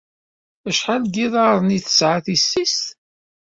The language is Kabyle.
Acḥal n yiḍarren ay tesɛa tissist?